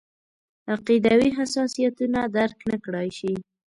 عقیدوي حساسیتونه درک نکړای شي.